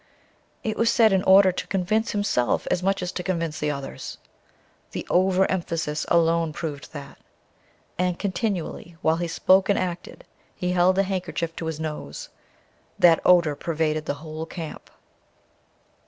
It was said in order to convince himself as much as to convince the others. The overemphasis alone proved that. And continually, while he spoke and acted, he held a handkerchief to his nose. That odor pervaded the whole camp.